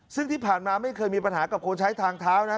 ซึ่งที่ผ่านมาไม่เคยมีปัญหากับคนใช้ทางเท้านะ